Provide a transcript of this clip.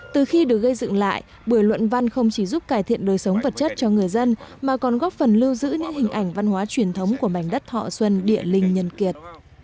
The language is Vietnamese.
từ khi được gây dựng lại bưởi luận văn không chỉ giúp cải thiện đời sống vật chất cho người dân mà còn góp phần lưu giữ những hình ảnh văn hóa truyền thống của mảnh đất thọ xuân địa linh nhân kiệt